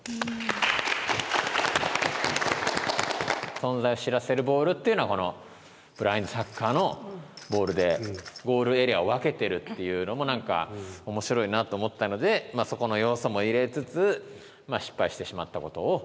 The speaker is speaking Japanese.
「存在を知らせる球」っていうのはこのブラインドサッカーのボールでゴールエリアを分けてるっていうのも何か面白いなと思ったのでそこの要素も入れつつ失敗してしまったことを。